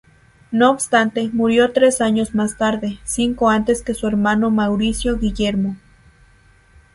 No obstante, murió tres años más tarde, cinco antes que su hermano Mauricio Guillermo.